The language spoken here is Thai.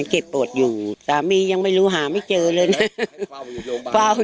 อาการก็ยังผ่าตัดแล้วเรียบร้อยแล้ว